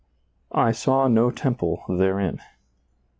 " I saw no temple therein."